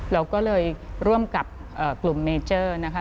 เราก็เลยร่วมกับกลุ่มเมเจอร์นะคะ